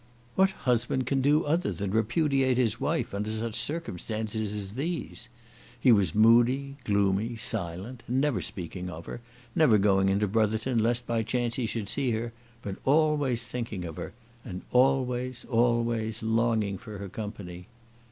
What husband can do other than repudiate his wife under such circumstances as these! He was moody, gloomy, silent, never speaking of her, never going into Brotherton lest by chance he should see her; but always thinking of her, and always, always longing for her company.